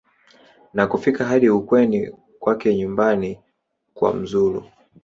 na kufika hadi ukweni kwake nyumbani kwa mzulu